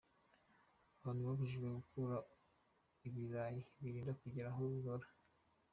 Abantu babujijwe gukura ibirayi birinda bigera aho bibora”.